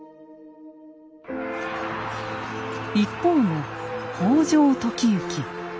一方の北条時行。